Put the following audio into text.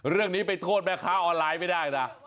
เรื่องนี้ไปโทษแม่ค้าออนไลน์ไม่ได้นะ